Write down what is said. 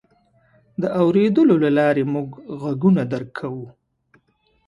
د اورېدلو له لارې موږ غږونه درک کوو.